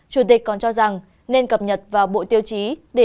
chủ tịch còn cho rằng nên cập nhật vào bộ tiêu chí để